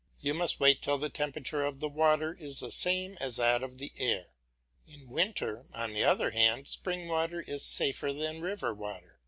You must wait till the temperature of the water is the same as that of the air. In winter, on the other hand, spring water is safer than river water.